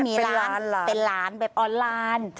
ไม่มีร้านเป็นร้าน